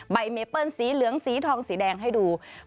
ใบเมเปิ้ลสีเหลืองสีทองสีแดงให้ดู